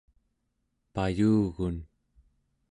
payugun